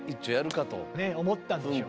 思ったんでしょうね。